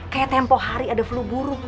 kayak tempoh hari ada flu buruk